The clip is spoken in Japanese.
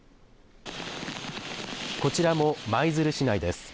こちらも舞鶴市内です。